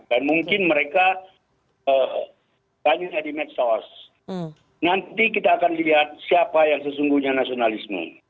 dan mungkin mereka tanya di medsos nanti kita akan lihat siapa yang sesungguhnya nasionalisme